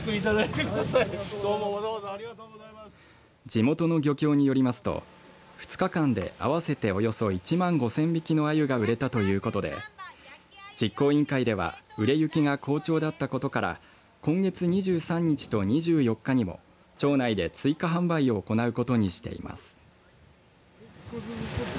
地元の漁協によりますと２日間で合わせておよそ１万５０００匹のあゆが売れたということで実行委員会では売れ行きが好調だったことから今月２３日と２４日にも町内で追加販売を行うことにしています。